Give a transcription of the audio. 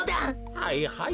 はいはい。